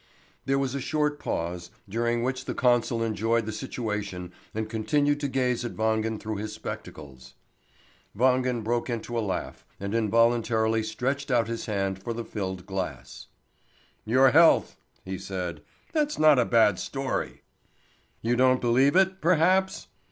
There was a short pause, during which the consul enjoyed the situation and continued to gaze at Wangen through his spectacles. Wangen broke into a laugh, and involuntarily stretched out his hand for the filled glass. "Your health!" he said. "That's not a bad story!" "You don't believe it, perhaps?